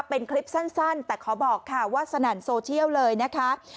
เป็นคลิปสั้นแต่ขอบอกค่ะว่าสนั่นโซเชียลเลยนะคะ